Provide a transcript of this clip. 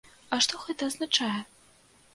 А што гэта азначае?